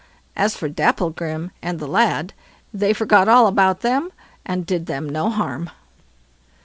As for Dapplegrim and the lad, they forgot all about them, and did them no harm.